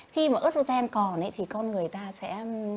khi mà ớtrogen còn thì con người ta sẽ